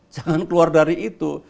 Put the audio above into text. jangan keluar dari itu